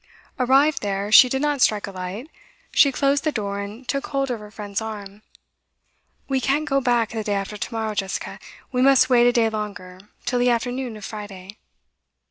Arrived there, she did not strike a light. She closed the door, and took hold of her friend's arm. 'We can't go back the day after to morrow, Jessica. We must wait a day longer, till the afternoon of Friday.